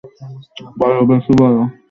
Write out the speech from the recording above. বড়, বেশি বড়?